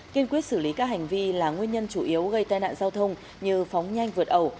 kiên quyết xử lý các hành vi là nguyên nhân chủ yếu gây tai nạn giao thông như phóng nhanh vượt ẩu